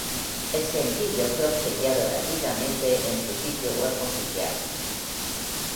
El sencillo fue obsequiado gratuitamente en su sitio web oficial.